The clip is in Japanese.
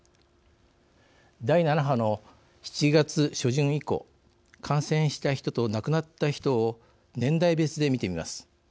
第７波の７月初旬以降感染した人と、亡くなった人を年代別で見てみます。